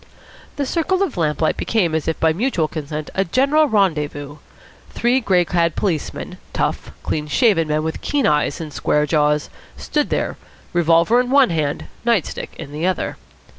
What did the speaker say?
The circle of lamplight became as if by mutual consent a general rendezvous. Three grey clad policemen, tough, clean shaven men with keen eyes and square jaws, stood there, revolver in one hand, night stick in the other.